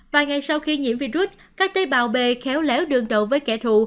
vài ngày sau khi nhiễm virus các tế bào b khéo léo đường đậu với kẻ thù